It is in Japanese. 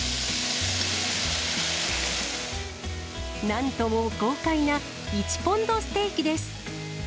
なんとも豪快な１ポンドステーキです。